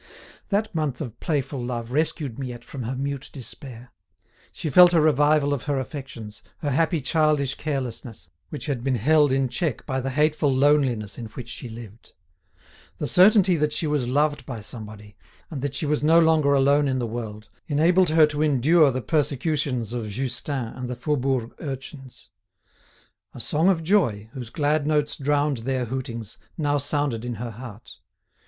That month of playful love rescued Miette from her mute despair. She felt a revival of her affections, her happy childish carelessness, which had been held in check by the hateful loneliness in which she lived. The certainty that she was loved by somebody, and that she was no longer alone in the world, enabled her to endure the persecutions of Justin and the Faubourg urchins. A song of joy, whose glad notes drowned their hootings, now sounded in her heart.